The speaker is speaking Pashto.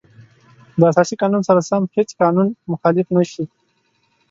د اساسي قانون سره سم هیڅ قانون مخالف نشي.